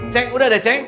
ceng udah deh ceng